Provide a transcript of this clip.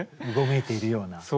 うごめいているような。